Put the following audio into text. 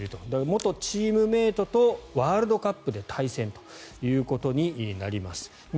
元チームメートとワールドカップで対戦ということになります。